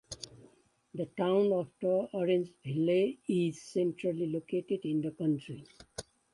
The Town of Orangeville is centrally located in the county.